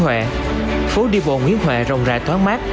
phố đi bộ nguyễn huệ phố đi bộ nguyễn huệ rộng rãi thoáng mát